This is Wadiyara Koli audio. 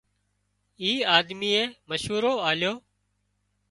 اي آۮميئي مشورو آليو